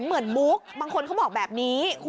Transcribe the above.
เหมือนมุกบางคนเขาบอกแบบนี้